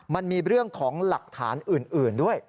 มันมีเรื่องของหลักฐานอื่นด้วย